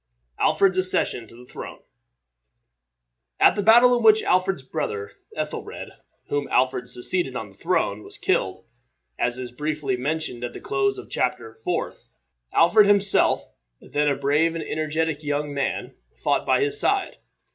ALFRED'S ACCESSION TO THE THRONE At the battle in which Alfred's brother, Ethelred, whom Alfred succeeded on the throne, was killed, as is briefly mentioned at the close of chapter fourth, Alfred himself, then a brave and energetic young man, fought by his side.